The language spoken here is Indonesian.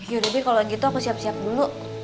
yaudah bi kalau gitu aku siap siap dulu